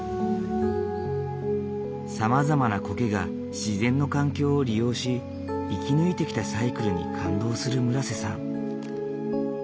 さまざまなコケが自然の環境を利用し生き抜いてきたサイクルに感動する村瀬さん。